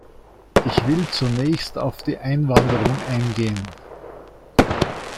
Ich will zunächst auf die Einwanderung eingehen.